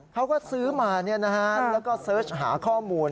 เขาก็ซื้อมาแล้วก็เสิร์ชหาข้อมูล